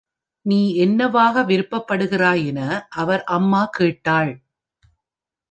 "நீ என்னவாக விருப்பப்படுகிறாய்?" என அவர் அம்மா கேட்டாள்.